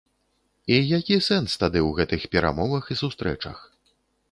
І які сэнс тады ў гэтых перамовах і сустрэчах?